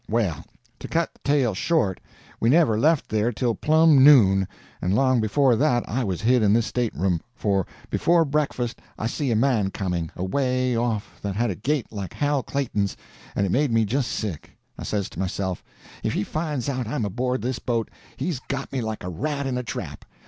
] "Well, to cut the tale short, we never left there till plumb noon; and long before that I was hid in this stateroom; for before breakfast I see a man coming, away off, that had a gait like Hal Clayton's, and it made me just sick. I says to myself, if he finds out I'm aboard this boat, he's got me like a rat in a trap.